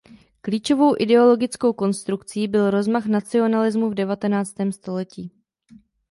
Klíčovou ideologickou konstrukcí byl rozmach nacionalismu v devatenáctém století.